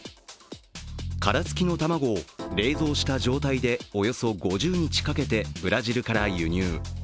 殻付きの卵を冷蔵した状態でおよそ５０日かけてブラジルから輸入。